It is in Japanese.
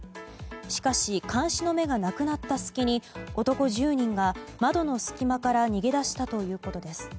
しかし監視の目がなくなった隙に男１０人が窓の隙間から逃げ出したということです。